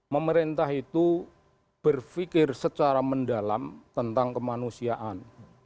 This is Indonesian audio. memerintah itu berfikir secara mendalam tentang kemanusiaan